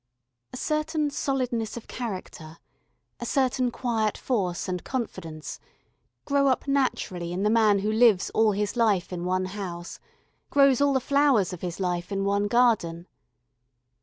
A certain solidness of character, a certain quiet force and confidence grow up naturally in the man who lives all his life in one house, grows all the flowers of his life in one garden.